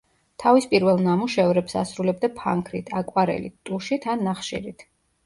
თავის პირველ ნამუშევრებს ასრულებდა ფანქრით, აკვარელით, ტუშით ან ნახშირით.